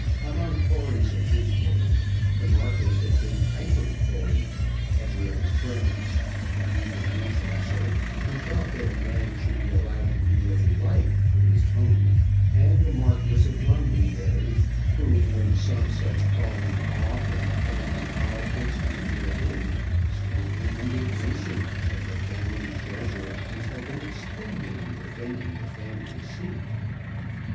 Among Tories of his day the Marquis had been hyper Tory, as were his friends, the Duke of Newcastle, who thought that a man should be allowed to do what he liked with his own, and the Marquis of Londonderry, who, when some such falling off in the family politics came near him, spoke with indignation of the family treasure which had been expended in defending the family seat.